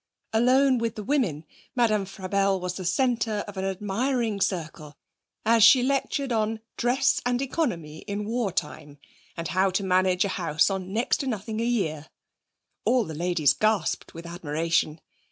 Alone with the women, Madame Frabelle was the centre of an admiring circle, as she lectured on 'dress and economy in war time,' and how to manage a house on next to nothing a year. All the ladies gasped with admiration.